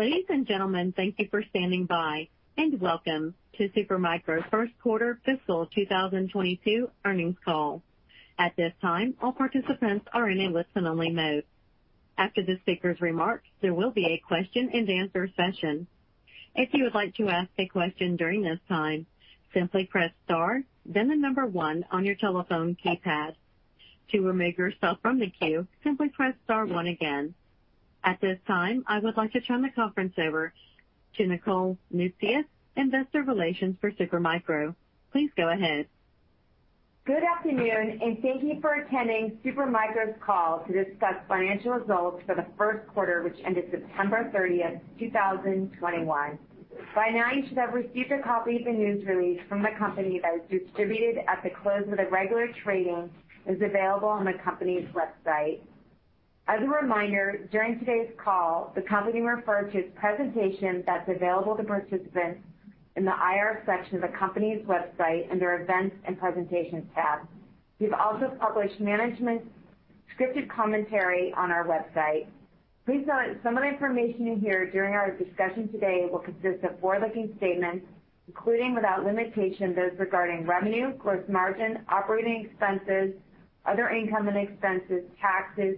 Ladies and gentlemen, thank you for standing by, and welcome to Super Micro's first quarter fiscal 2022 earnings call. At this time, all participants are in a listen-only mode. After the speaker's remarks, there will be a question-and-answer session. If you would like to ask a question during this time, simply press star then the number one on your telephone keypad. To remove yourself from the queue, simply press star one again. At this time, I would like to turn the conference over to Nicole Noutsios, Investor Relations for Super Micro. Please go ahead. Good afternoon, and thank you for attending Super Micro's call to discuss financial results for the first quarter, which ended September 30, 2021. By now you should have received a copy of the news release from the company that is distributed at the close of the regular trading and is available on the company's website. As a reminder, during today's call, the company referred to its presentation that's available to participants in the IR section of the company's website under Events and Presentations tab. We've also published management scripted commentary on our website. Please note some of the information you hear during our discussion today will consist of forward-looking statements, including without limitation, those regarding revenue, gross margin, operating expenses, other income and expenses, taxes,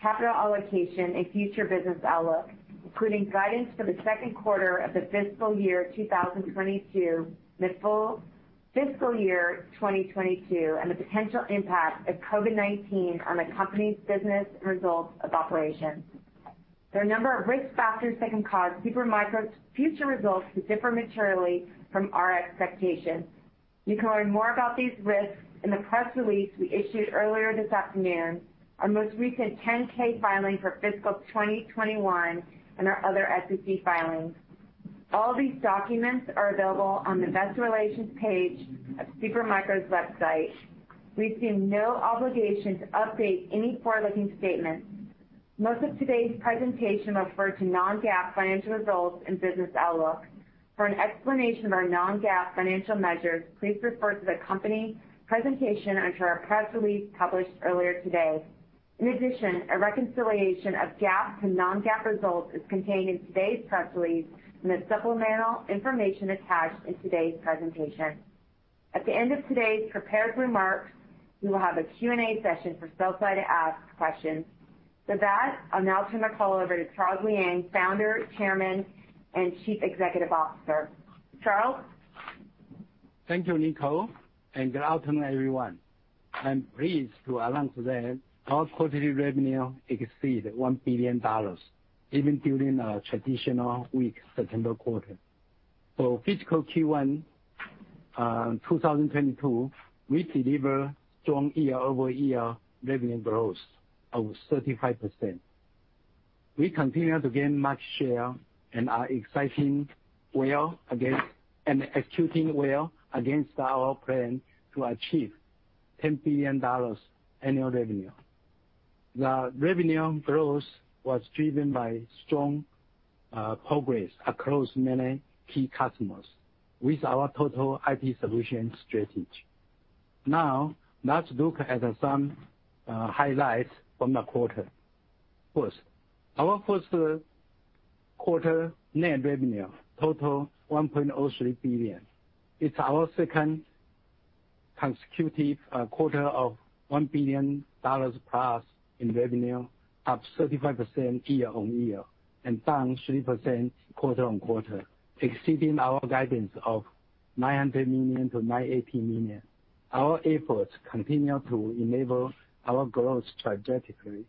capital allocation, and future business outlook, including guidance for the second quarter of the fiscal year 2022, mid- to full fiscal year 2022, and the potential impact of COVID-19 on the company's business results of operations. There are a number of risk factors that can cause Super Micro's future results to differ materially from our expectations. You can learn more about these risks in the press release we issued earlier this afternoon, our most recent 10-K filing for fiscal 2021, and our other SEC filings. All these documents are available on the Investor Relations page of Super Micro's website. We assume no obligation to update any forward-looking statements. Most of today's presentation referred to non-GAAP financial results and business outlook. For an explanation of our non-GAAP financial measures, please refer to the company presentation or to our press release published earlier today. In addition, a reconciliation of GAAP to non-GAAP results is contained in today's press release and the supplemental information attached in today's presentation. At the end of today's prepared remarks, we will have a Q&A session for sell side to ask questions. With that, I'll now turn the call over to Charles Liang, Founder, Chairman, and Chief Executive Officer. Charles? Thank you, Nicole, and good afternoon, everyone. I'm pleased to announce that our quarterly revenue exceeded $1 billion even during a traditional weak September quarter. For fiscal Q1, 2022, we delivered strong year-over-year revenue growth of 35%. We continue to gain market share and are executing well against our plan to achieve $10 billion annual revenue. The revenue growth was driven by strong progress across many key customers with our total IP solution strategy. Now, let's look at some highlights from the quarter. First, our first quarter net revenue totaled $1.03 billion. It's our second consecutive quarter of $1 billion plus in revenue, up 35% year-on-year and down 3% quarter-on-quarter, exceeding our guidance of $900 million-$980 million. Our efforts continue to enable our growth strategically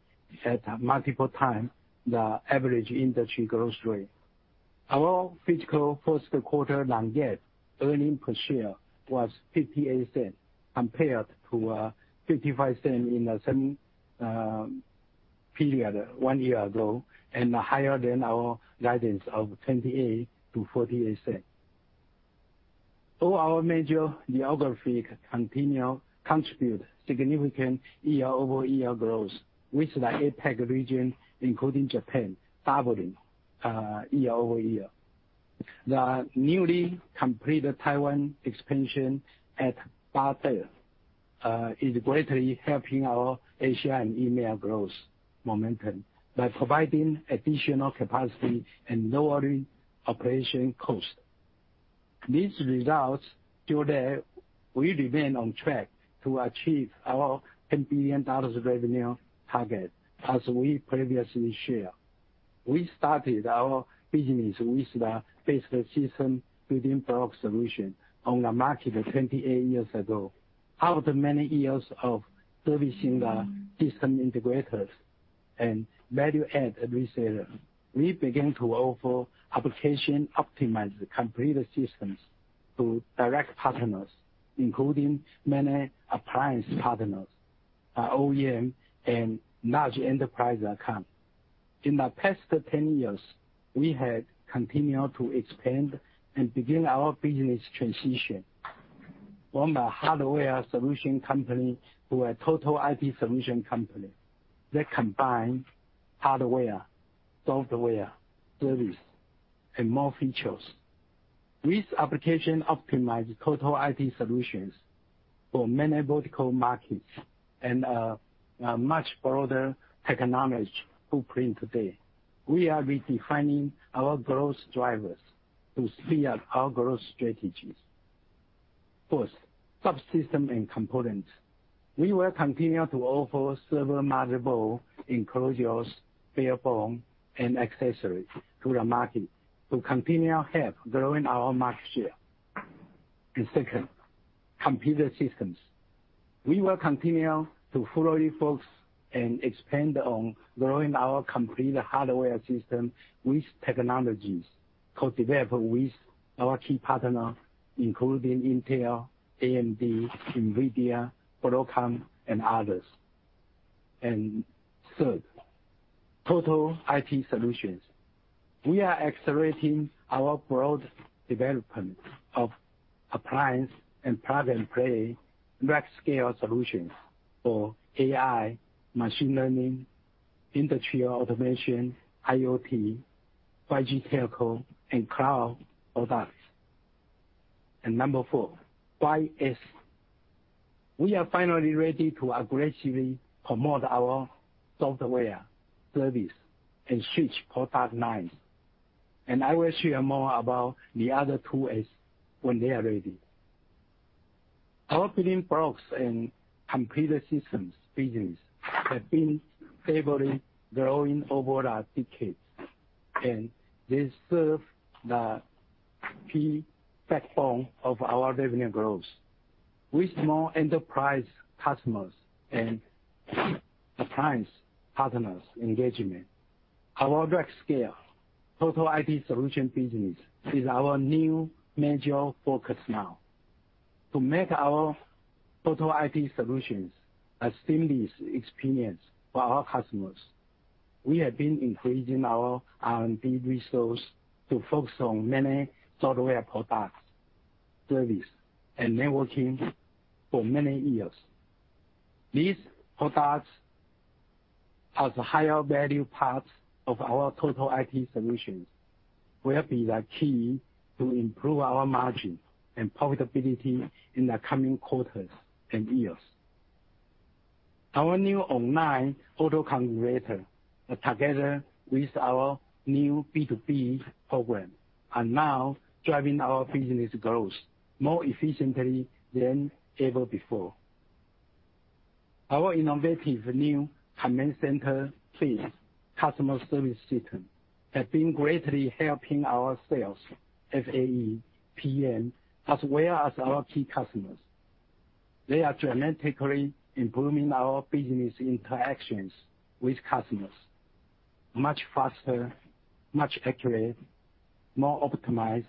at multiple times the average industry growth rate. Our fiscal first quarter non-GAAP earnings per share was $0.58, compared to $0.55 in the same period one year ago and higher than our guidance of $0.28-$0.48. All our major geographies continue to contribute significant year-over-year growth, with the APAC region, including Japan, doubling year-over-year. The newly completed Taiwan expansion at Hsinchu is greatly helping our Asia and EMEA growth momentum by providing additional capacity and lowering operating cost. These results show that we remain on track to achieve our $10 billion revenue target as we previously shared. We started our business with the basic system building block solution on the market 28 years ago. After many years of servicing the system integrators and value-add resellers, we began to offer application optimized computer systems to direct partners, including many appliance partners, OEM and large enterprise account. In the past 10 years, we have continued to expand and begin our business transition from a hardware solution company to a total IP solution company that combine hardware, software, service, and more features. With application optimized total IT solutions for many vertical markets and a much broader technology footprint today, we are redefining our growth drivers to speed up our growth strategies. First, subsystem and components. We will continue to offer server motherboards, enclosures, barebone, and accessories to the market to continue help growing our market share. Second, computer systems. We will continue to fully focus and expand on growing our complete hardware system with technologies co-developed with our key partners, including Intel, AMD, Nvidia, Broadcom, and others. Third, total IT solutions. We are accelerating our broad development of appliance and plug-and-play rack scale solutions for AI, machine learning, industrial automation, IoT, 5G telco, and cloud products. Number four, 5S. We are finally ready to aggressively promote our software, service, and switch product lines. I will share more about the other two S when they are ready. Our building blocks and computer systems business have been steadily growing over the decades, and they serve the key backbone of our revenue growth. With small enterprise customers and key appliance partners engagement, our rack scale total IT solution business is our new major focus now. To make our total IT solutions a seamless experience for our customers, we have been increasing our R&D resource to focus on many software products, service, and networking for many years. These products, as higher value parts of our total IT solutions, will be the key to improve our margin and profitability in the coming quarters and years. Our new online Autoconfigurator, together with our new B2B program, are now driving our business growth more efficiently than ever before. Our innovative new Command Center suite customer service system has been greatly helping our sales, FAE, PM, as well as our key customers. They are dramatically improving our business interactions with customers much faster, much accurate, more optimized,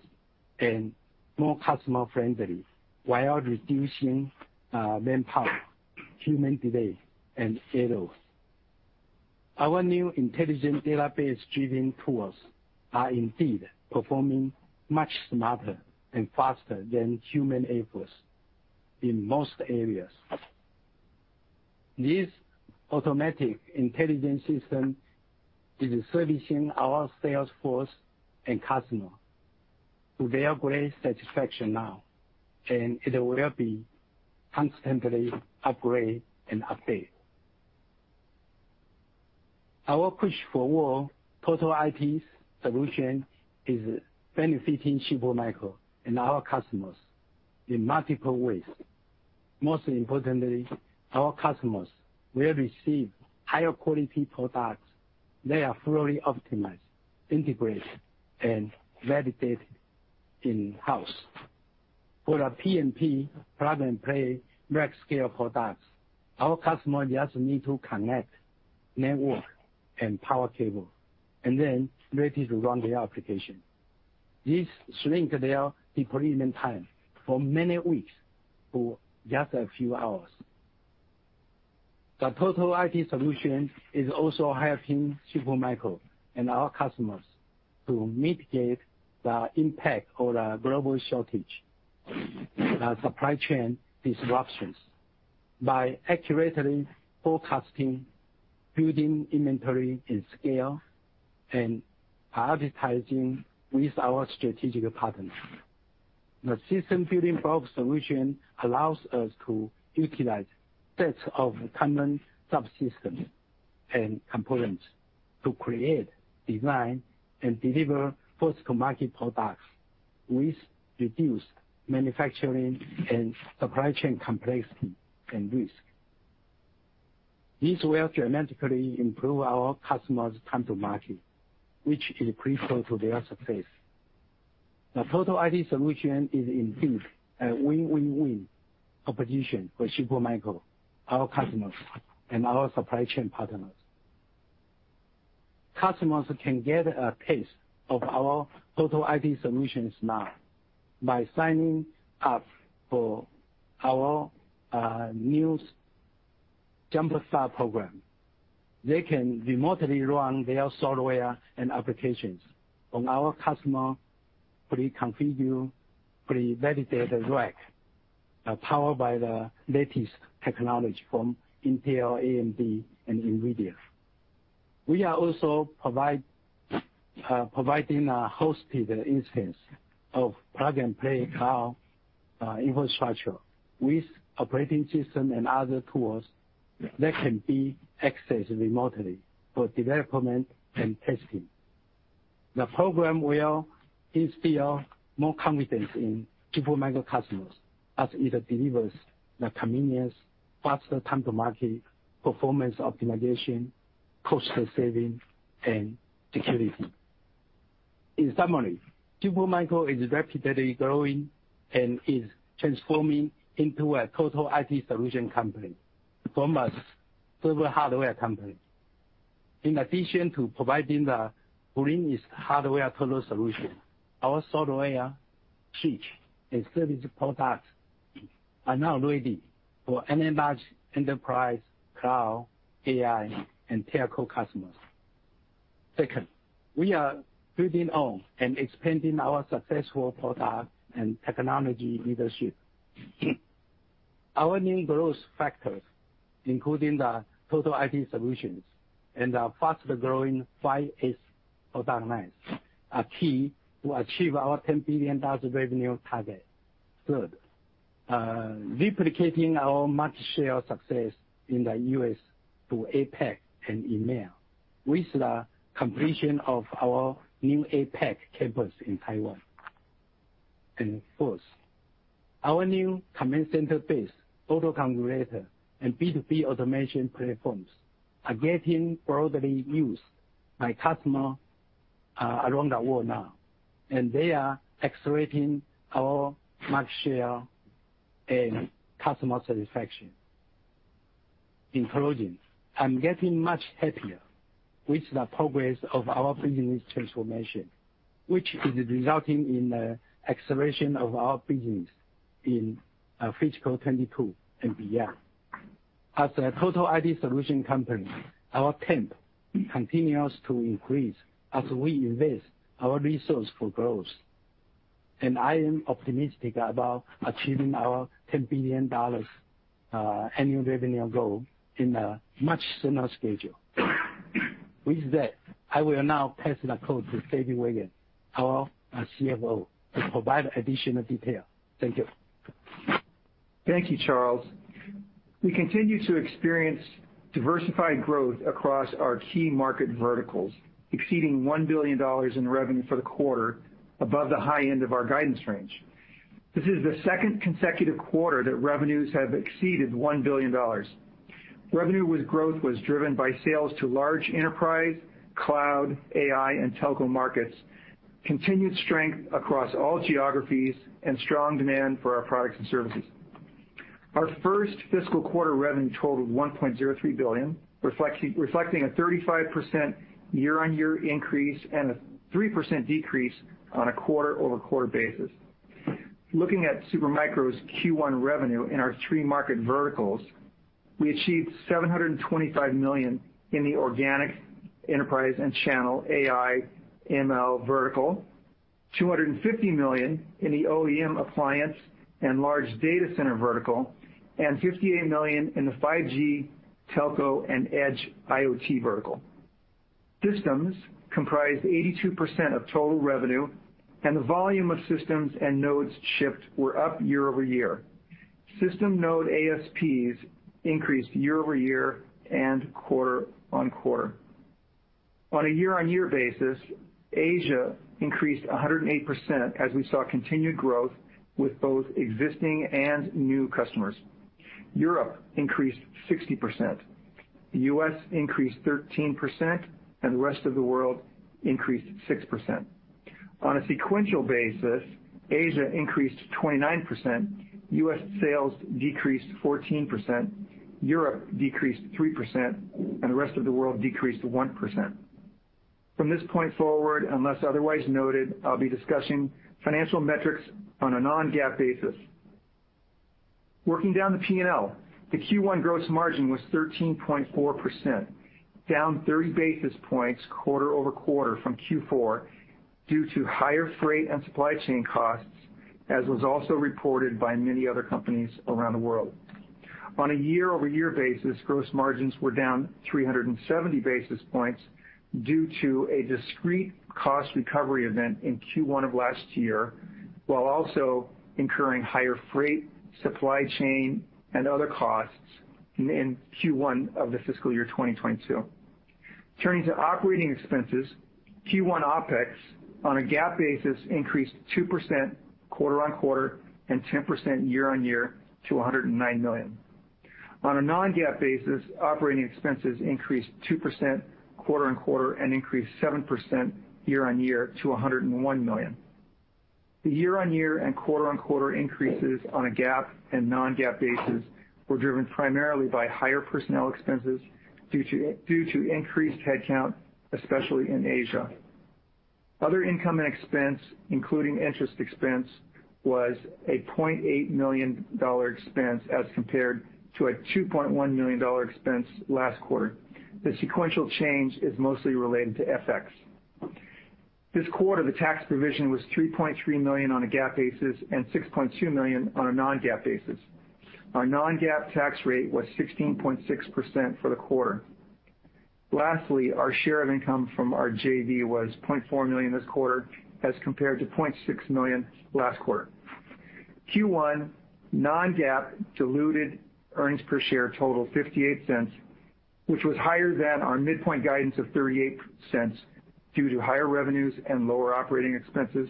and more customer-friendly, while reducing manpower, human delay, and errors. Our new intelligent database-driven tools are indeed performing much smarter and faster than human efforts in most areas. This artificial intelligence system is servicing our sales force and customers to their great satisfaction now, and it will be constantly upgraded and updated. Our push for more total IT solution is benefiting Super Micro and our customers in multiple ways. Most importantly, our customers will receive higher quality products. They are fully optimized, integrated, and validated in-house. For the PnP, plug and play, rack scale products, our customers just need to connect network and power cable, and then ready to run their application. This shrinks their deployment time from many weeks to just a few hours. The total IT solution is also helping Super Micro and our customers to mitigate the impact of the global shortage, the supply chain disruptions, by accurately forecasting, building inventory and scale, and prioritizing with our strategic partners. The system building block solution allows us to utilize sets of common subsystems and components to create, design, and deliver first-to-market products with reduced manufacturing and supply chain complexity and risk. This will dramatically improve our customers' time to market, which is crucial to their success. The total IT solution is indeed a win-win-win proposition for Super Micro, our customers, and our supply chain partners. Customers can get a taste of our total IT solutions now by signing up for our new JumpStart program. They can remotely run their software and applications on our customer pre-configured, pre-validated rack powered by the latest technology from Intel, AMD, and Nvidia. We are also providing a hosted instance of plug-and-play cloud infrastructure with operating system and other tools that can be accessed remotely for development and testing. The program will instill more confidence in Super Micro customers as it delivers the convenience, faster time to market, performance optimization, cost saving, and security. In summary, Super Micro is rapidly growing and is transforming into a total IT solution company from a server hardware company. In addition to providing the greenest hardware total solution, our software suite and service products are now ready for any large enterprise, cloud, AI, and telco customers. Second, we are building on and expanding our successful product and technology leadership. Our new growth factors, including the total IT solutions and our faster-growing 5S organized, are key to achieve our $10 billion revenue target. Third, replicating our market share success in the U.S. to APAC and EMEA with the completion of our new APAC campus in Taiwan. Fourth, our new Command Center-based Autoconfigurator and B2B automation platforms are getting broadly used by customers around the world now, and they are accelerating our market share and customer satisfaction. In closing, I'm getting much happier with the progress of our business transformation, which is resulting in the acceleration of our business in fiscal 2022 and beyond. As a total IT solution company, our tempo continues to increase as we invest our resources for growth. I am optimistic about achieving our $10 billion annual revenue goal in a much shorter schedule. With that, I will now pass the call to David Weigand, our CFO, to provide additional detail. Thank you. Thank you, Charles. We continue to experience diversified growth across our key market verticals, exceeding $1 billion in revenue for the quarter above the high end of our guidance range. This is the second consecutive quarter that revenues have exceeded $1 billion. Revenue growth was driven by sales to large enterprise, cloud, AI, and telco markets, continued strength across all geographies, and strong demand for our products and services. Our first fiscal quarter revenue totaled $1.03 billion, reflecting a 35% year-on-year increase and a 3% decrease on a quarter-over-quarter basis. Looking at Super Micro's Q1 revenue in our three market verticals, we achieved $725 million in the organic enterprise and channel AI ML vertical, $250 million in the OEM appliance and large data center vertical, and $58 million in the 5G telco and Edge IoT vertical. Systems comprised 82% of total revenue, and the volume of systems and nodes shipped were up year-over-year. System node ASPs increased year-over-year and quarter-over-quarter. On a year-on-year basis, Asia increased 108% as we saw continued growth with both existing and new customers. Europe increased 60%. U.S. increased 13%, and the rest of the world increased 6%. On a sequential basis, Asia increased 29%, U.S. sales decreased 14%, Europe decreased 3%, and the rest of the world decreased 1%. From this point forward, unless otherwise noted, I'll be discussing financial metrics on a non-GAAP basis. Working down the P&L, the Q1 gross margin was 13.4%, down 30 basis points quarter-over-quarter from Q4 due to higher freight and supply chain costs, as was also reported by many other companies around the world. On a year-over-year basis, gross margins were down 370 basis points due to a discrete cost recovery event in Q1 of last year, while also incurring higher freight, supply chain, and other costs in Q1 of the fiscal year 2022. Turning to operating expenses, Q1 OpEx on a GAAP basis increased 2% quarter-on-quarter and 10% year-on-year to $109 million. On a non-GAAP basis, operating expenses increased 2% quarter-on-quarter and increased 7% year-on-year to $101 million. The year-on-year and quarter-on-quarter increases on a GAAP and non-GAAP basis were driven primarily by higher personnel expenses due to increased headcount, especially in Asia. Other income and expense, including interest expense, was a $0.8 million expense as compared to a $2.1 million expense last quarter. The sequential change is mostly related to FX. This quarter, the tax provision was $3.3 million on a GAAP basis and $6.2 million on a non-GAAP basis. Our non-GAAP tax rate was 16.6% for the quarter. Lastly, our share of income from our JV was $0.4 million this quarter as compared to $0.6 million last quarter. Q1 non-GAAP diluted earnings per share totaled $0.58, which was higher than our midpoint guidance of $0.38 due to higher revenues and lower operating expenses,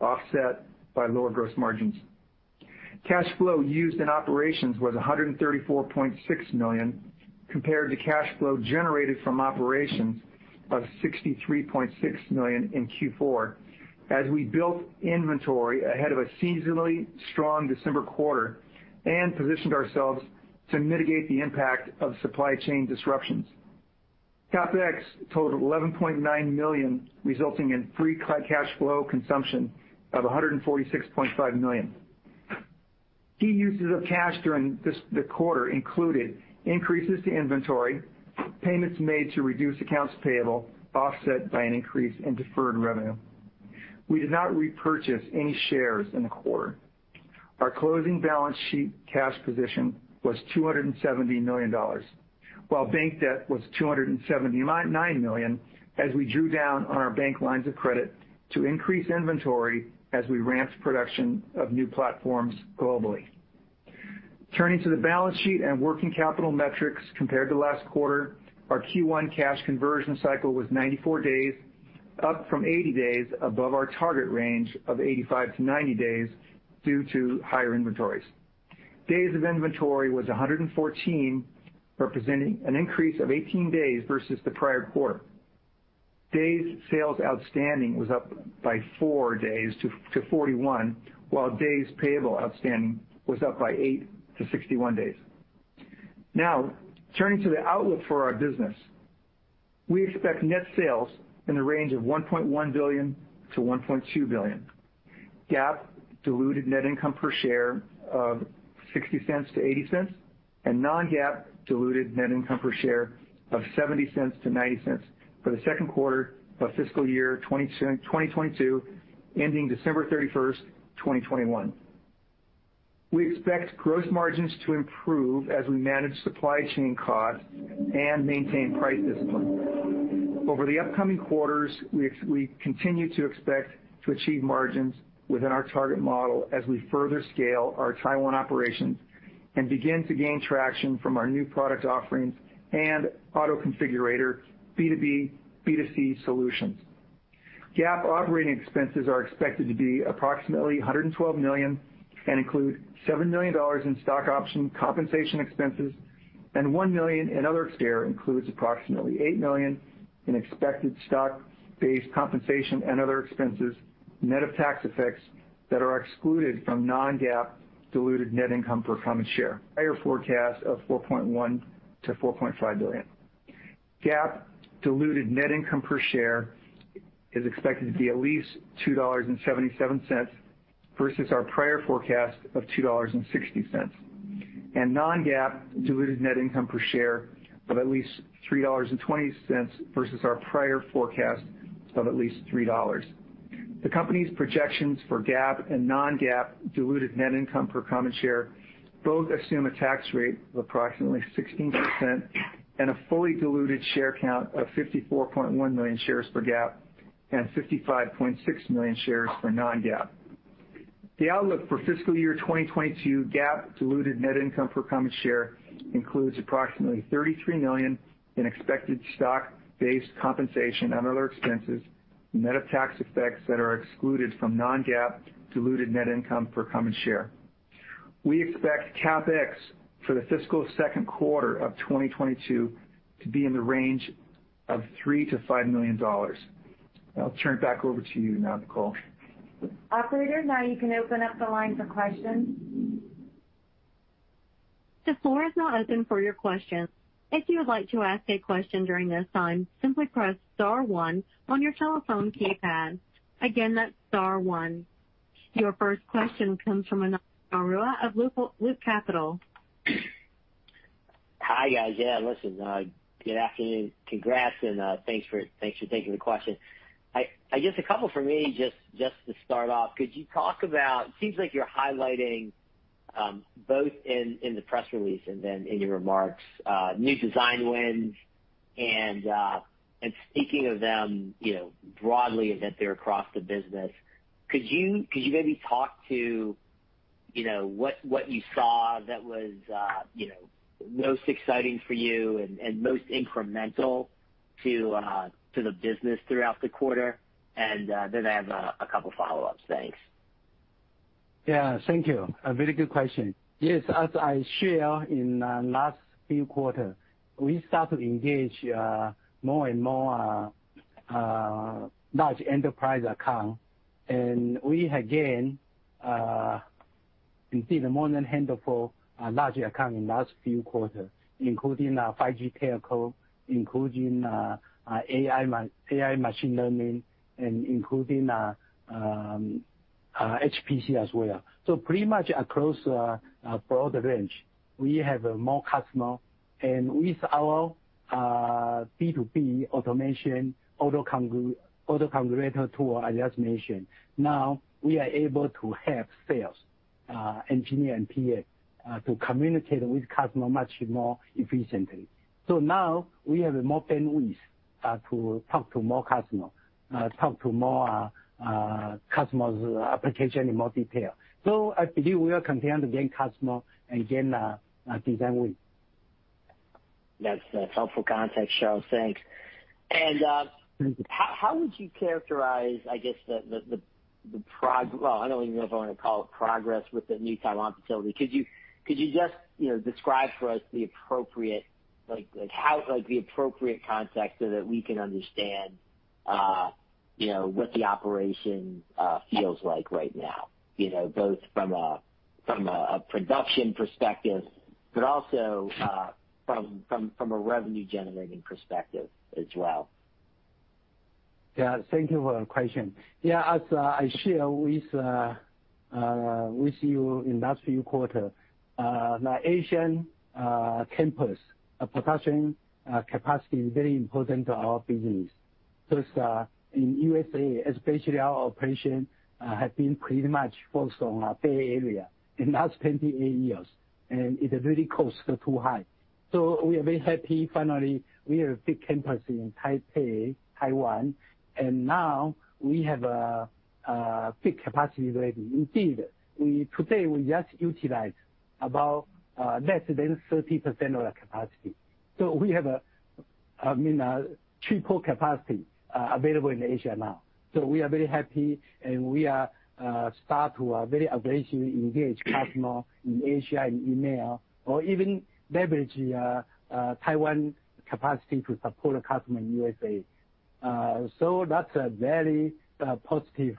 offset by lower gross margins. Cash flow used in operations was $134.6 million, compared to cash flow generated from operations of $63.6 million in Q4 as we built inventory ahead of a seasonally strong December quarter and positioned ourselves to mitigate the impact of supply chain disruptions. CapEx totaled $11.9 million, resulting in free cash flow consumption of $146.5 million. Key uses of cash during this quarter included increases to inventory, payments made to reduce accounts payable, offset by an increase in deferred revenue. We did not repurchase any shares in the quarter. Our closing balance sheet cash position was $270 million, while bank debt was $279 million as we drew down on our bank lines of credit to increase inventory as we ramped production of new platforms globally. Turning to the balance sheet and working capital metrics compared to last quarter. Our Q1 cash conversion cycle was 94 days, up from 80 days above our target range of 85-90 days due to higher inventories. Days of inventory was 114, representing an increase of 18 days versus the prior quarter. Days sales outstanding was up by four days to 41, while days payable outstanding was up by eight to 61 days. Now, turning to the outlook for our business. We expect net sales in the range of $1.1 billion-$1.2 billion. GAAP diluted net income per share of $0.60-$0.80, and non-GAAP diluted net income per share of $0.70-$0.90 for the second quarter of fiscal year 2022, ending December 31, 2021. We expect gross margins to improve as we manage supply chain costs and maintain price discipline. Over the upcoming quarters, we continue to expect to achieve margins within our target model as we further scale our Taiwan operations and begin to gain traction from our new product offerings and Autoconfigurator B2B, B2C solutions. GAAP operating expenses are expected to be approximately $112 million and include $7 million in stock option compensation expenses and $1 million in other share-based compensation expenses. This includes approximately $8 million in expected stock-based compensation and other expenses, net of tax effects that are excluded from non-GAAP diluted net income per common share. Higher forecast of $4.1 billion-$4.5 billion. GAAP diluted net income per share is expected to be at least $2.77 versus our prior forecast of $2.60. Non-GAAP diluted net income per share of at least $3.20 versus our prior forecast of at least $3. The company's projections for GAAP and non-GAAP diluted net income per common share both assume a tax rate of approximately 16% and a fully diluted share count of 54.1 million shares for GAAP and 55.6 million shares for non-GAAP. The outlook for fiscal year 2022 GAAP diluted net income per common share includes approximately $33 million in expected stock-based compensation and other expenses, net of tax effects that are excluded from non-GAAP diluted net income per common share. We expect CapEx for the fiscal second quarter of 2022 to be in the range of $3 million-$5 million. I'll turn it back over to you now, Nicole. Operator, now you can open up the line for questions. The floor is now open for your questions. If you would like to ask a question during this time, simply press star one on your telephone keypad. Again, that's star one. Your first question comes from Ananda Baruah of Loop Capital. Hi, guys. Yeah, listen, good afternoon. Congrats and thanks for taking the question. I guess a couple from me just to start off. Could you talk about it seems like you're highlighting both in the press release and then in your remarks new design wins and speaking of them, you know, broadly that they're across the business. Could you maybe talk about you know what you saw that was you know most exciting for you and most incremental to the business throughout the quarter? Then I have a couple follow-ups. Thanks. Yeah. Thank you. A very good question. Yes, as I share in last few quarter, we start to engage more and more large enterprise account, and we again see the more than handful larger account in last few quarters, including 5G telco, including AI machine learning, and including HPC as well. Pretty much across broad range, we have more customer. With our B2B automation Autoconfigurator tool, as I just mentioned, now we are able to have sales engineer and PA to communicate with customer much more efficiently. Now we have more bandwidth to talk to more customers application in more detail. I believe we are continuing to gain customer and gain design win. That's helpful context, Charles. Thanks. Mm-hmm. How would you characterize... Well, I don't even know if I wanna call it progress with the new Taiwan facility. Could you just, you know, describe for us the appropriate, like, how the appropriate context so that we can understand, you know, what the operation feels like right now, you know, both from a production perspective, but also from a revenue generating perspective as well? Thank you for your question. As I share with you in last few quarters, the Asian campus production capacity is very important to our business. First, in USA especially, our operations have been pretty much focused on Bay Area in last 28 years, and it really costs too high. We are very happy finally, we have a big campus in Taipei, Taiwan, and now we have a big capacity ready. Indeed, today we just utilize about less than 30% of the capacity. We have, I mean, a triple capacity available in Asia now. We are very happy, and we are starting to very aggressively engage customers in Asia and EMEA or even leverage the Taiwan capacity to support a customer in USA. That's a very positive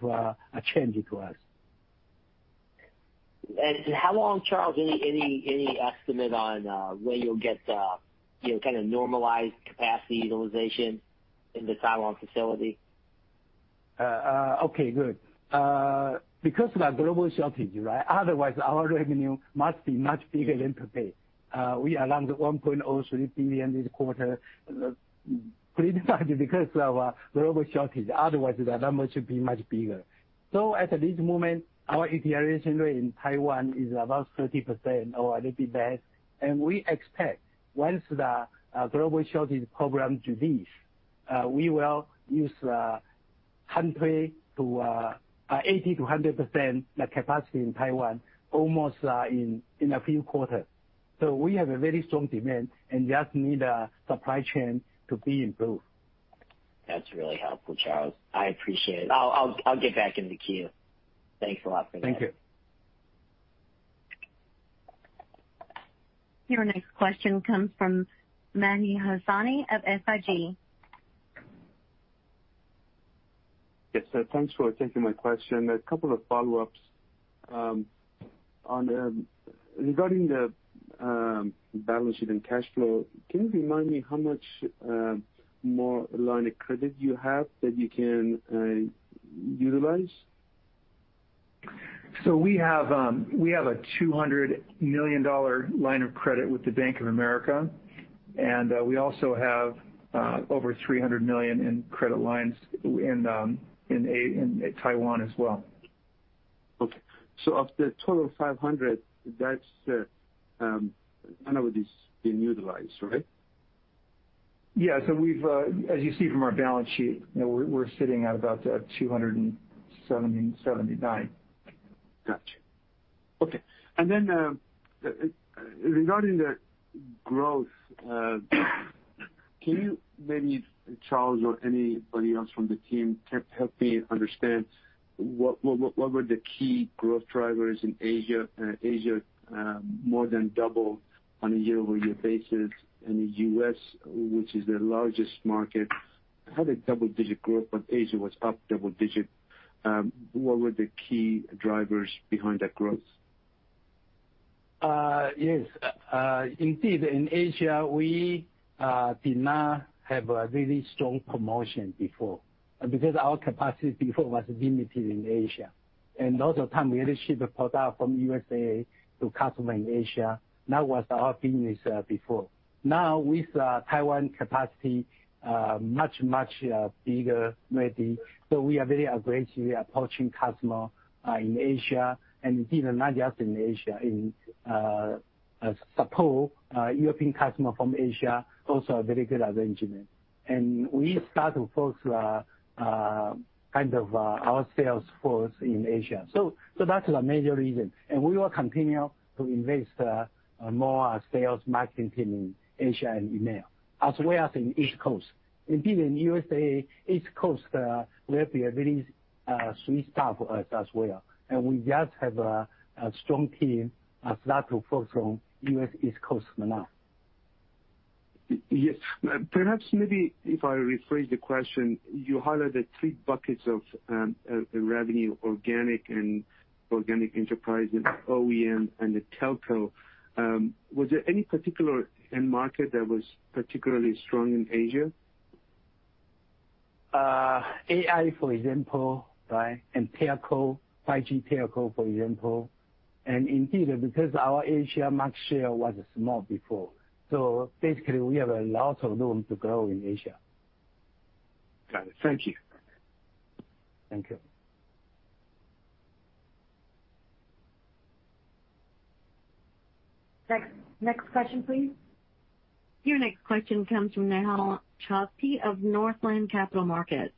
change to us. How long, Charles, any estimate on when you'll get the, you know, kind of normalized capacity utilization in the Taiwan facility? Okay, good. Because of our global shortage, right? Otherwise, our revenue must be much bigger than today. We are around $1.03 billion this quarter, pretty much because of our global shortage. Otherwise, the number should be much bigger. At this moment, our utilization rate in Taiwan is about 30% or a little bit less, and we expect once the global shortage problem to leave, we will use 80%-100% the capacity in Taiwan almost, in a few quarters. We have a very strong demand and just need supply chain to be improved. That's really helpful, Charles. I appreciate it. I'll get back in the queue. Thanks a lot for that. Thank you. Your next question comes from Mehdi Hosseini of SIG. Yes, sir. Thanks for taking my question. A couple of follow-ups. Regarding the balance sheet and cash flow, can you remind me how much more line of credit you have that you can utilize? We have a $200 million line of credit with Bank of America, and we also have over $300 million in credit lines in Taiwan as well. Okay. Of the total 500, that's none of this is being utilized, right? Yeah. We've, as you see from our balance sheet, you know, we're sitting at about $279. Gotcha. Okay. Regarding the growth, can you, maybe Charles or anybody else from the team, help me understand what were the key growth drivers in Asia? Asia more than doubled on a year-over-year basis, and the U.S., which is the largest market, had a double-digit growth, but Asia was up double-digit. What were the key drivers behind that growth? Yes. Indeed, in Asia, we did not have a really strong promotion before because our capacity before was limited in Asia. A lot of the time we had to ship the product from USA to customers in Asia. That was our business before. Now with Taiwan capacity much bigger maybe, so we are very aggressively approaching customers in Asia, and indeed not just in Asia, supporting European customers from Asia also a very good arrangement. We start to focus kind of our sales force in Asia. That's the major reason. We will continue to invest more sales and marketing team in Asia and EMEA, as well as in East Coast. Indeed, in USA, East Coast will be a very sweet spot for us as well. We just have a strong team start to focus on U.S. East Coast now. Yes. Perhaps maybe if I rephrase the question, you highlighted three buckets of revenue, organic enterprise with OEM and the telco. Was there any particular end market that was particularly strong in Asia? AI, for example, right? Telco, 5G telco, for example. Indeed, because our Asia market share was small before, so basically we have a lot of room to grow in Asia. Got it. Thank you. Thank you. Next question, please. Your next question comes from Nehal Chokshi of Northland Capital Markets.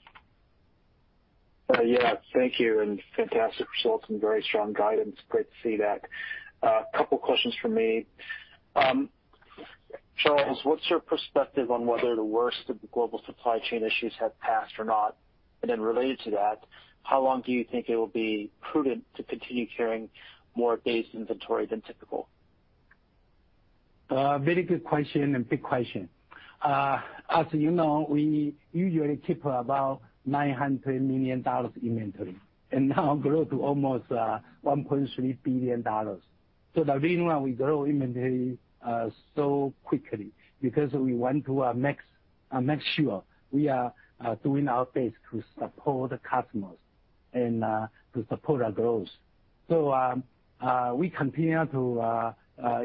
Yeah, thank you, fantastic results and very strong guidance. Great to see that. A couple of questions from me. Charles, what's your perspective on whether the worst of the global supply chain issues have passed or not? Related to that, how long do you think it will be prudent to continue carrying more base inventory than typical? Very good question and big question. As you know, we usually keep about $900 million inventory, and now grow to almost $1.3 billion. The reason why we grow inventory so quickly is because we want to make sure we are doing our best to support customers and to support our growth. We continue to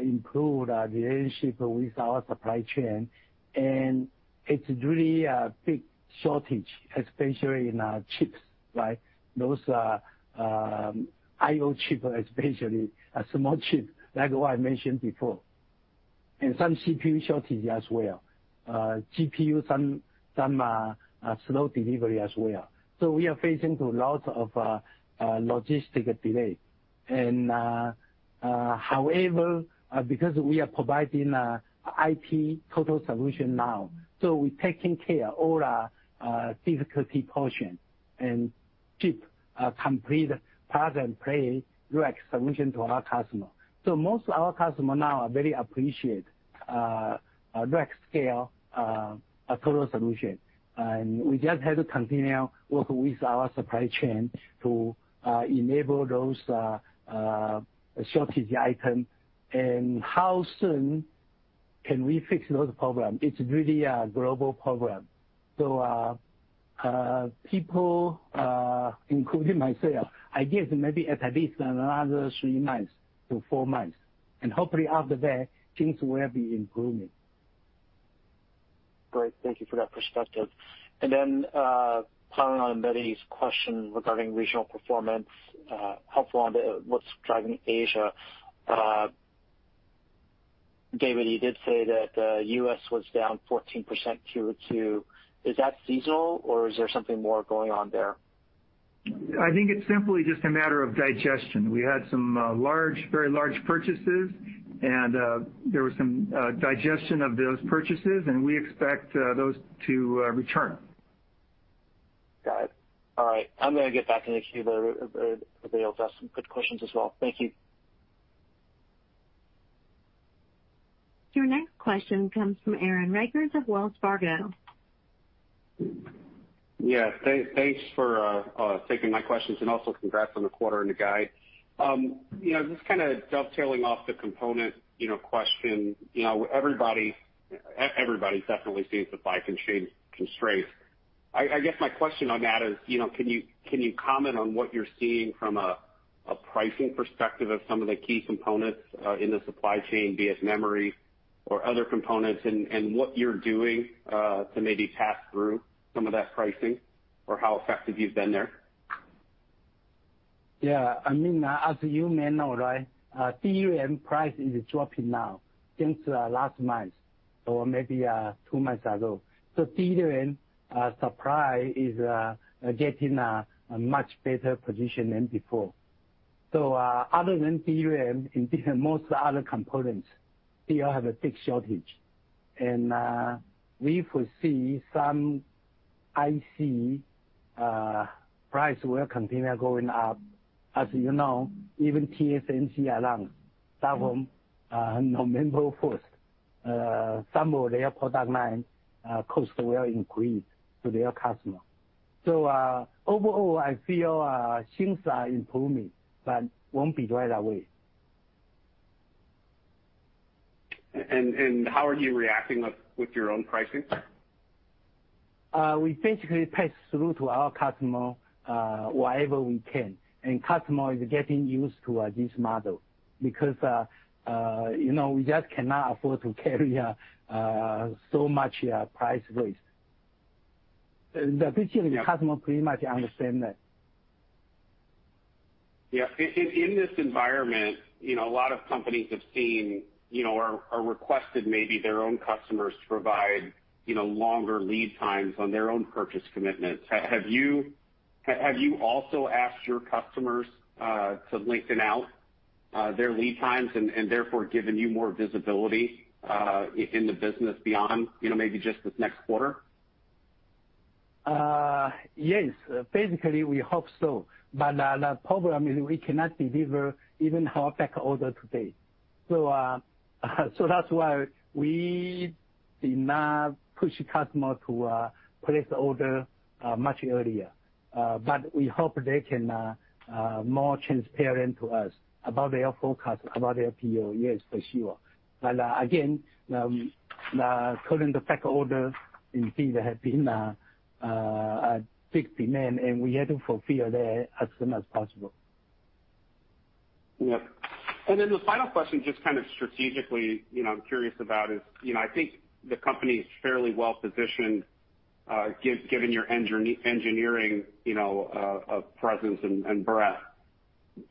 improve our relationship with our supply chain, and it's really a big shortage, especially in our chips, right? Those I/O chip especially, a small chip, like what I mentioned before. And some CPU shortage as well. GPU, some slow delivery as well. We are facing lots of logistic delay. However, because we are providing IP total solution now, so we're taking care all our difficulty portion and keep a complete plug and play direct solution to our customer. Most of our customer now very appreciate a direct scale a total solution. We just have to continue working with our supply chain to enable those shortage item and how soon can we fix those problem. It's really a global problem. People including myself, I guess maybe at least another three months to four months. Hopefully after that, things will be improving. Great. Thank you for that perspective. Following on Mehdi's question regarding regional performance, helpful on what's driving Asia. David, you did say that, U.S. was down 14% Q2. Is that seasonal or is there something more going on there? I think it's simply just a matter of digestion. We had some large, very large purchases and there was some digestion of those purchases, and we expect those to return. Got it. All right. I'm gonna get back in the queue. There are also some good questions as well. Thank you. Your next question comes from Aaron Rakers of Wells Fargo. Yeah. Thanks for taking my questions and also congrats on the quarter and the guide. You know, just kinda dovetailing off the component question. You know, everybody's definitely seeing supply chain constraints. I guess my question on that is, you know, can you comment on what you're seeing from a pricing perspective of some of the key components in the supply chain, be it memory or other components, and what you're doing to maybe pass through some of that pricing or how effective you've been there? Yeah. I mean, as you may know, right, DRAM price is dropping now since last month or maybe two months ago. DRAM supply is getting a much better position than before. Other than DRAM, indeed most other components still have a big shortage. We foresee some IC price will continue going up. As you know, even TSMC announce that from November first some of their product line cost will increase to their customer. Overall, I feel things are improving, but won't be right away. How are you reacting with your own pricing? We basically pass through to our customer, wherever we can. Customer is getting used to this model because, you know, we just cannot afford to carry so much price risk. The customer pretty much understand that. Yeah. In this environment, you know, a lot of companies have seen, you know, or requested maybe their own customers to provide, you know, longer lead times on their own purchase commitments. Have you also asked your customers to lengthen out their lead times and therefore given you more visibility in the business beyond, you know, maybe just this next quarter? Yes. Basically, we hope so. The problem is we cannot deliver even our back order to date. That's why we did not push customer to place order much earlier. We hope they can more transparent to us about their forecast, about their PO. Yes, for sure. Again, the current back order indeed have been a big demand, and we had to fulfill that as soon as possible. Yep. The final question, just kind of strategically, you know, I'm curious about is, you know, I think the company is fairly well-positioned, given your engineering, you know, presence and breadth,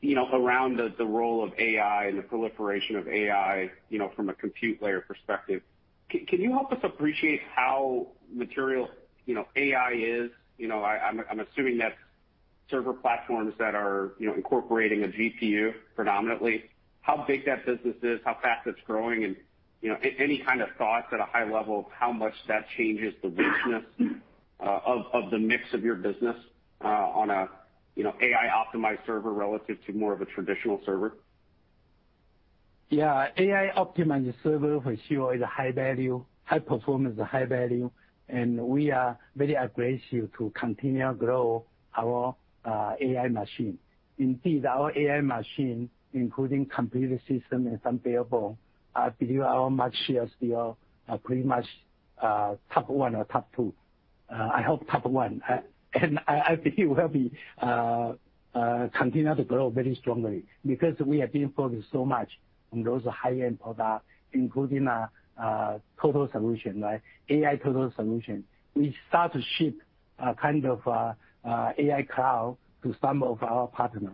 you know, around the role of AI and the proliferation of AI, you know, from a compute layer perspective. Can you help us appreciate how material, you know, AI is? You know, I'm assuming that server platforms that are, you know, incorporating a GPU predominantly, how big that business is, how fast it's growing, and, you know, any kind of thoughts at a high level of how much that changes the richness of the mix of your business, on a, you know, AI optimized server relative to more of a traditional server. Yeah. AI-optimized server for sure is a high-value, high-performance, high-value, and we are very aggressive to continue to grow our AI machine. Indeed, our AI machine, including compute system and some peripherals. I believe our market share still are pretty much top one or top two. I hope top one. I believe we'll continue to grow very strongly because we have been focused so much on those high-end products, including total solution, right? AI total solution. We start to ship a kind of AI cloud to some of our partners.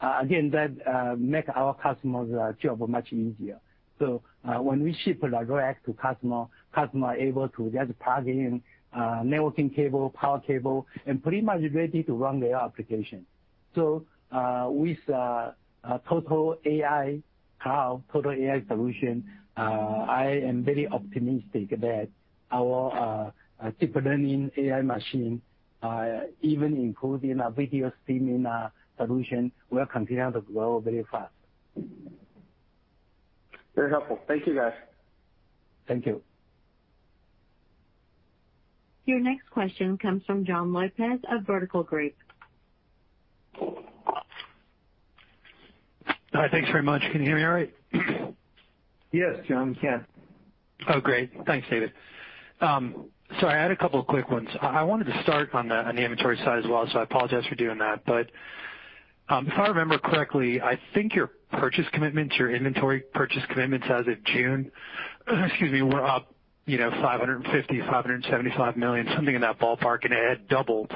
Again, that makes our customers job much easier. So, when we ship a rack to customer are able to just plug in networking cable, power cable, and pretty much ready to run their application. With a total AI cloud, total AI solution, I am very optimistic that our deep learning AI machine, even including our video streaming solution, will continue to grow very fast. Very helpful. Thank you, guys. Thank you. Your next question comes from Jon Lopez of Vertical Group. Hi. Thanks very much. Can you hear me all right? Yes, Jon, we can. Oh, great. Thanks, David. I had a couple of quick ones. I wanted to start on the inventory side as well. I apologize for doing that. If I remember correctly, I think your purchase commitments, your inventory purchase commitments as of June, excuse me, were up, you know, $550 million-$575 million, something in that ballpark, and it had doubled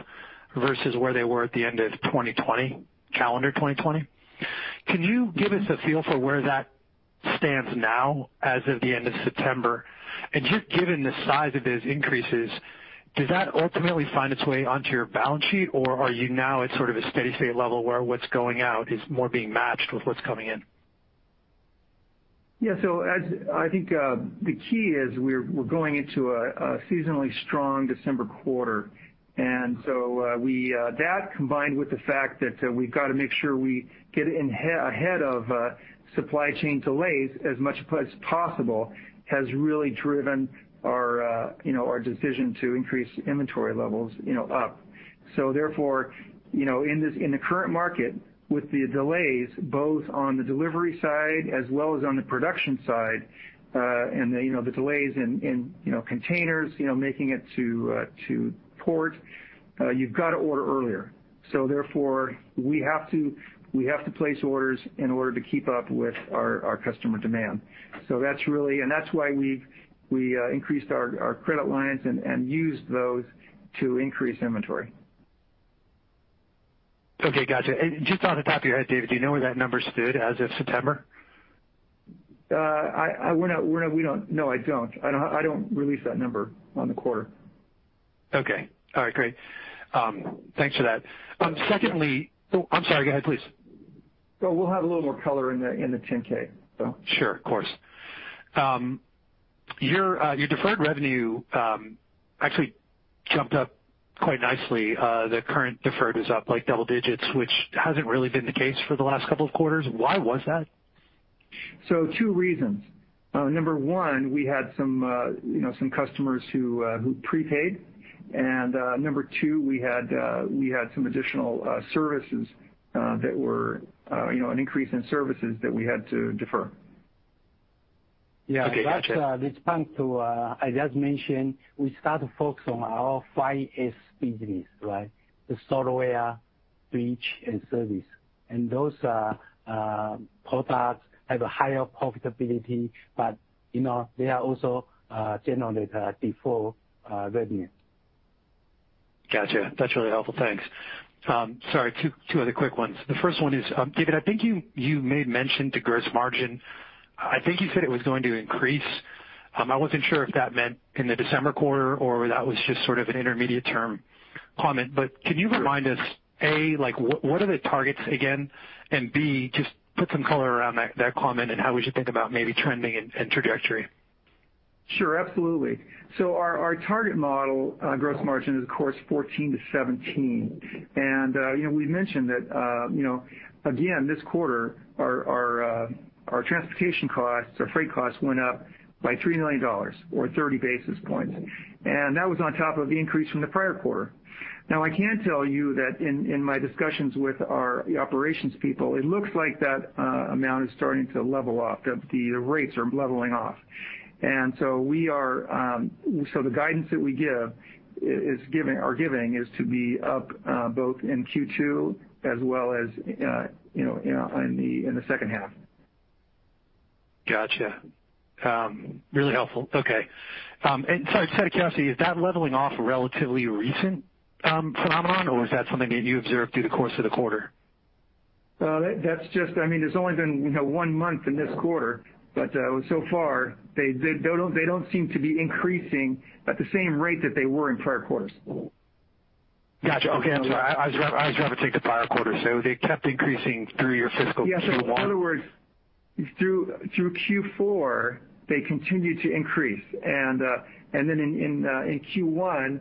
versus where they were at the end of 2020, calendar 2020. Can you give us a feel for where that stands now as of the end of September? Just given the size of those increases, does that ultimately find its way onto your balance sheet, or are you now at sort of a steady state level where what's going out is more being matched with what's coming in? Yeah. As I think, the key is we're going into a seasonally strong December quarter. That combined with the fact that we've got to make sure we get in ahead of supply chain delays as much as possible has really driven our you know our decision to increase inventory levels you know up. You know in the current market, with the delays both on the delivery side as well as on the production side, and you know the delays in you know containers you know making it to port, you've got to order earlier. We have to place orders in order to keep up with our customer demand. That's really. That's why we've increased our credit lines and used those to increase inventory. Okay. Gotcha. Just off the top of your head, David, do you know where that number stood as of September? No, I don't release that number on the quarter. Okay. All right, great. Thanks for that. Oh, I'm sorry. Go ahead, please. We'll have a little more color in the 10-K. Sure. Of course. Your deferred revenue actually jumped up quite nicely. The current deferred was up like double digits, which hasn't really been the case for the last couple of quarters. Why was that? Two reasons. Number one, we had some, you know, some customers who prepaid. Number two, we had some additional services that were, you know, an increase in services that we had to defer. Okay. Gotcha. Yeah. That's at this point, as I just mentioned, we start to focus on our 5S business, right? The software, switch, and service. Those products have a higher profitability, but, you know, they are also a generator of revenue. Gotcha. That's really helpful. Thanks. Sorry, two other quick ones. The first one is, David, I think you made mention to gross margin. I think you said it was going to increase. I wasn't sure if that meant in the December quarter or that was just sort of an intermediate term comment. Can you remind us, A, like what are the targets again, and B, just put some color around that comment and how we should think about maybe trending and trajectory. Sure. Absolutely. Our target model gross margin is of course 14%-17%. You know, we mentioned that, you know, again, this quarter our transportation costs, our freight costs went up by $3 million or 30 basis points, and that was on top of the increase from the prior quarter. Now, I can tell you that in my discussions with our the operations people, it looks like that amount is starting to level off. The rates are leveling off. We are so the guidance that we give is to be up both in Q2 as well as, you know, in the second half. Got you. Really helpful. Okay. Sorry, that said, is that leveling off a relatively recent phenomenon, or is that something that you observed through the course of the quarter? That's just, I mean, there's only been, you know, one month in this quarter, but so far they don't seem to be increasing at the same rate that they were in prior quarters. Got you. Okay. I'm sorry. I just wanna take the prior quarter. They kept increasing through your fiscal Q1? Yes. In other words, through Q4, they continued to increase. Then in Q1,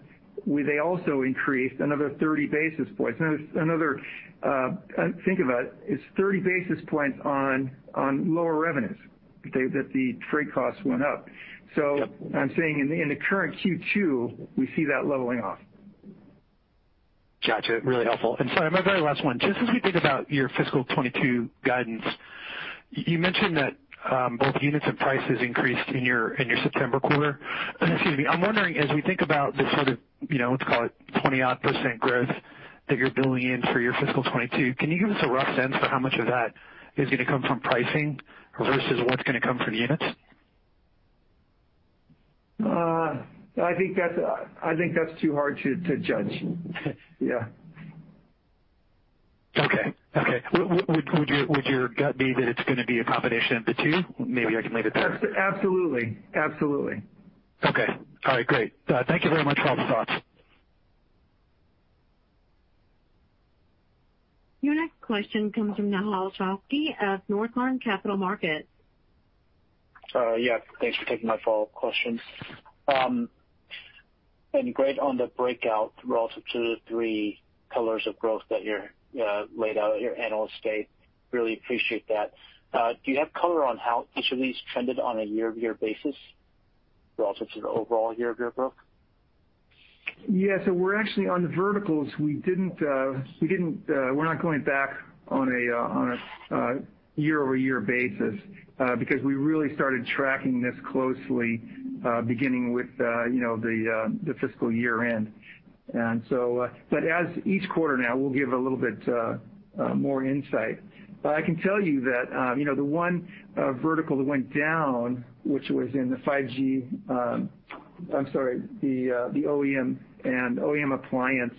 they also increased another 30 basis points. Now, think about it's 30 basis points on lower revenues that the freight costs went up. Yep. I'm saying in the current Q2, we see that leveling off. Got you. Really helpful. Sorry, my very last one. Just as we think about your fiscal 2022 guidance, you mentioned that both units and prices increased in your September quarter. Excuse me. I'm wondering, as we think about the sort of, you know, let's call it 20-odd% growth that you're building in for your fiscal 2022, can you give us a rough sense for how much of that is gonna come from pricing versus what's gonna come from units? I think that's too hard to judge. Yeah. Okay. Would your gut be that it's gonna be a combination of the two? Maybe I can leave it there. Absolutely. Okay. All right, great. Thank you very much for all the thoughts. Your next question comes from Nehal Chokshi of Northland Capital Markets. Yeah, thanks for taking my follow-up question. Great on the breakout relative to the three pillars of growth that you're laid out at your Analyst Day. Really appreciate that. Do you have color on how each of these trended on a year-over-year basis relative to the overall year-over-year growth? Yeah. We're actually on the verticals. We're not going back on a year-over-year basis because we really started tracking this closely beginning with you know the fiscal year end. As each quarter now, we'll give a little bit more insight. I can tell you that you know the one vertical that went down, which was in the 5G. I'm sorry, the OEM and OEM appliance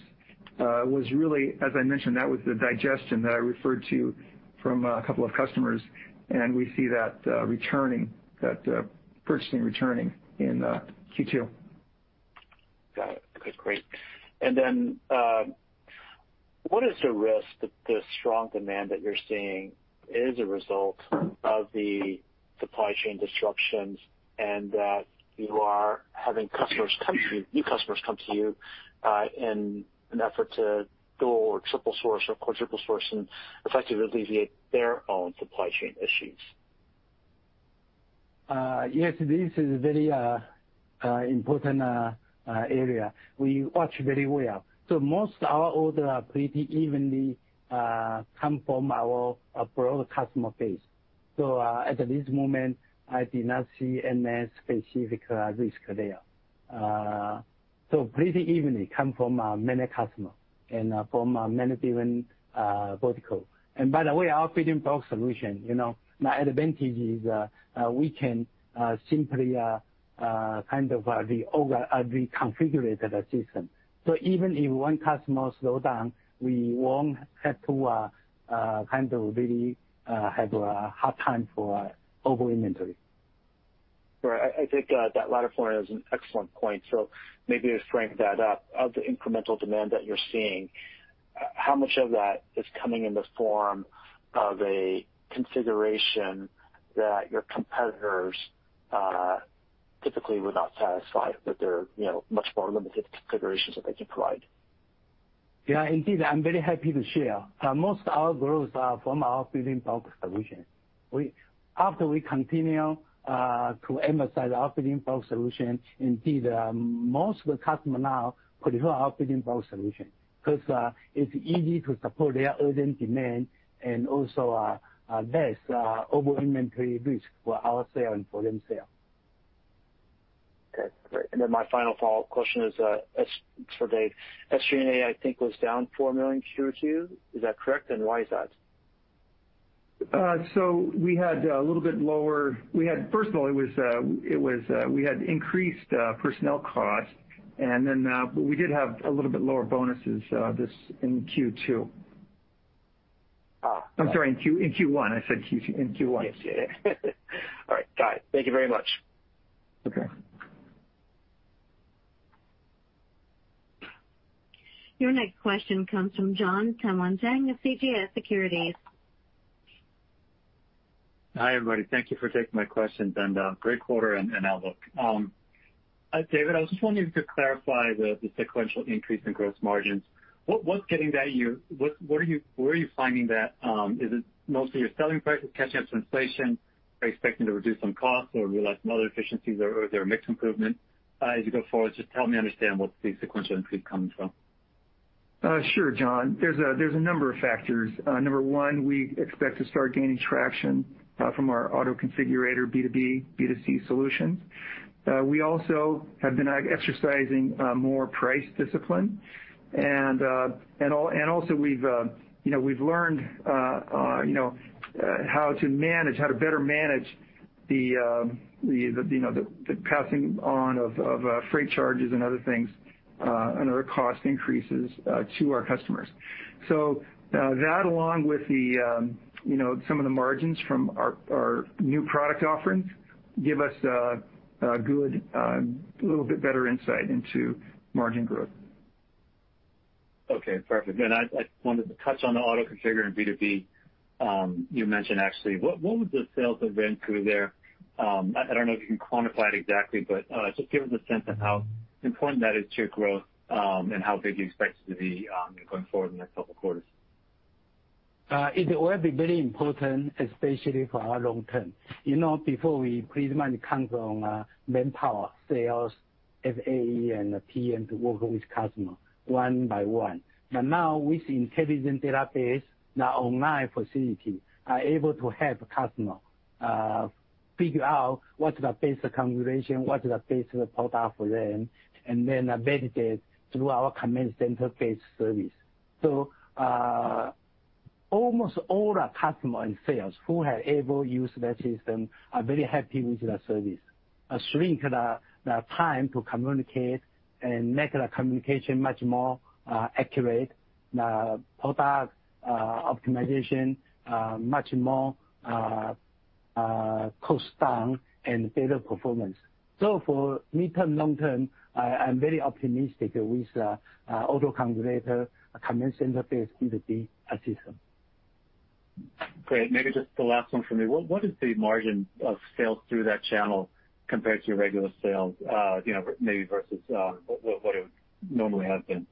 was really as I mentioned that was the digestion that I referred to from a couple of customers, and we see that returning, that purchasing returning in Q2. Got it. Okay, great. What is the risk that the strong demand that you're seeing is a result of the supply chain disruptions and that you are having customers come to you, new customers come to you, in an effort to dual or triple source or quadruple source and effectively alleviate their own supply chain issues? Yes, this is very important area. We watch very well. Most of our orders are pretty evenly come from our broad customer base. At this moment, I do not see any specific risk there. Pretty evenly come from many customers and from many different verticals. By the way, our building block solution, you know, my advantage is we can simply kind of reconfigure the system. Even if one customer slow down, we won't have to kind of really have a hard time for over-inventory. Right. I think that latter point is an excellent point. Maybe to strengthen that up. Of the incremental demand that you're seeing, how much of that is coming in the form of a consideration that your competitors typically would not satisfy with their, you know, much more limited configurations that they could provide? Yeah, indeed, I'm very happy to share. Most of our growth are from our building block solution. After we continue to emphasize our building block solution, indeed, most of the customers now prefer our building block solution 'cause it's easy to support their urgent demand and also less over-inventory risk for our sales and for themselves. Okay, great. Then my final follow-up question is, for Dave. SG&A, I think, was down $4 million in Q2. Is that correct, and why is that? We had a little bit lower. First of all, it was we had increased personnel costs, and then we did have a little bit lower bonuses this in Q2. Ah. I'm sorry, in Q1. I said Q2. In Q1. Yes. All right. Got it. Thank you very much. Okay. Your next question comes from Jon Tanwanteng of CJS Securities. Hi, everybody. Thank you for taking my questions, and great quarter and outlook. David, I was just wondering if you could clarify the sequential increase in gross margins. What's driving that? Where are you finding that, is it mostly your selling prices catching up to inflation? Are you expecting to reduce some costs or realize some other efficiencies or is there a mix improvement as you go forward? Just help me understand what the sequential increase is coming from. Sure, Jon. There's a number of factors. Number one, we expect to start gaining traction from our Autoconfigurator B2B, B2C solutions. We also have been exercising more price discipline and also we've, you know, learned, you know, how to manage, how to better manage the, you know, the passing on of freight charges and other things and other cost increases to our customers. That along with the, you know, some of the margins from our new product offerings give us a good little bit better insight into margin growth. Okay, perfect. I wanted to touch on the Autoconfigurator and B2B you mentioned actually. What was the sales event through there? I don't know if you can quantify it exactly, but just give us a sense of how important that is to your growth, and how big you expect it to be, going forward in the next couple of quarters. It will be very important, especially for our long term. You know, before we pretty much count on manpower, sales, FAE, and PM to work with customer one by one. Now, with intelligent database and our online facility are able to help customer figure out what's the best configuration, what is the best product for them, and then benefit through our commerce interface service. Almost all our customer in sales who have ever used that system are very happy with the service. Shrink the time to communicate and make the communication much more accurate. The product optimization much more cost down and better performance. For midterm, long term, I'm very optimistic with Autoconfigurator, commerce interface B2B system. Great. Maybe just the last one for me. What is the margin of sales through that channel compared to your regular sales? You know, maybe versus what it would normally have been.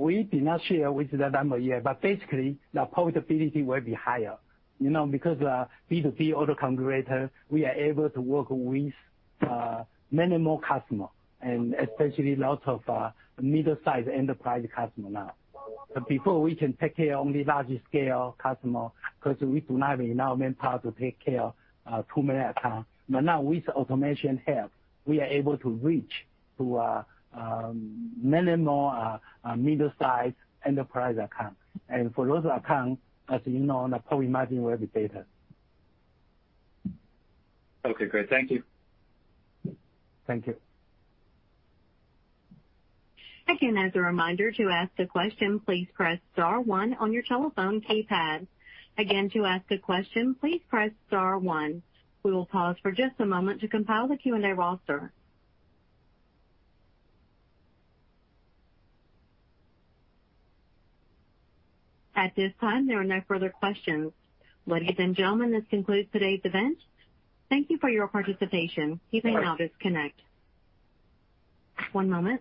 We did not share the number yet, but basically, the profitability will be higher. You know, because, B2B Autoconfigurator, we are able to work with, many more customer, and especially lots of, middle-sized enterprise customer now. Before we can take care only large scale customer because we do not have enough manpower to take care of too many accounts. Now with automation help, we are able to reach to, many more, middle-sized enterprise account. For those accounts, as you know, the profit margin will be better. Okay, great. Thank you. Thank you. Again, as a reminder, to ask a question, please press star one on your telephone keypad. Again, to ask a question, please press star one. We will pause for just a moment to compile the Q&A roster. At this time, there are no further questions. Ladies and gentlemen, this concludes today's event. Thank you for your participation. You may now disconnect. One moment.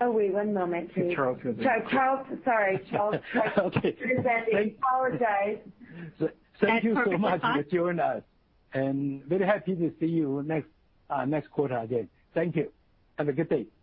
Oh, wait one moment, please. Charles will do it. Sorry, Charles. Okay. I apologize. Thank you so much for joining us, and very happy to see you next quarter again. Thank you. Have a good day.